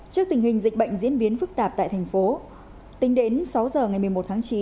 trước tình hình dịch bệnh diễn biến phức tạp tại thành phố tính đến sáu giờ ngày một mươi một tháng chín